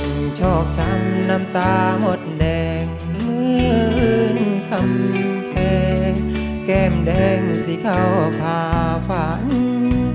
ชอบช้ำน้ำตาหดแดงเหมือนคำแพงแก้มแดงสิเข้าผ่าฝัน